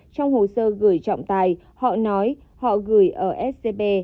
trong hồ sơ gửi trọng tài họ nói họ gửi ở scb